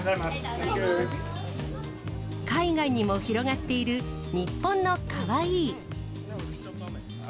海外にも広がっている日本のカワイイ。